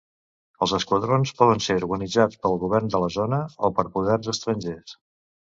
Els esquadrons poden ser organitzats pel govern de la zona, o per poders estrangers.